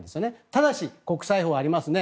ただし、国際法がありますね。